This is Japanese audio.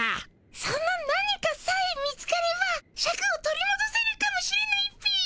その何かさえ見つかればシャクを取りもどせるかもしれないっピ。